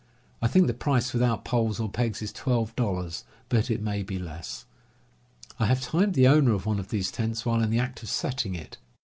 I think the price, without poles or pegs, is twelve dollars, but it may be less. ... I have timed the owner of one of these tents while in the act of setting it.